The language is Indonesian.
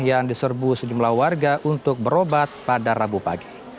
yang diserbu sejumlah warga untuk berobat pada rabu pagi